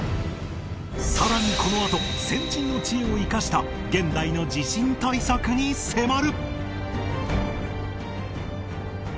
さらにこのあと先人の知恵を生かした現代の地震対策に迫る！